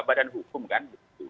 badan hukum kan